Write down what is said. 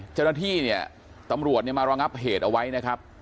เจ้าหน้าที่เนี่ยตำรวจเนี่ยมาระงับเหตุเอาไว้นะครับ